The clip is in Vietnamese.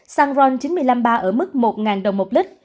xăng ron chín mươi năm ba ở mức một đồng một lít